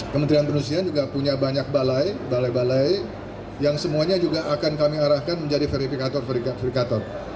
kementerian penusiaan juga punya banyak balai balai balai yang semuanya juga akan kami arahkan menjadi verifikator